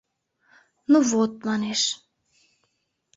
— Ну вот, манеш.